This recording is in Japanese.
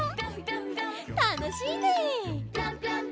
たのしいね！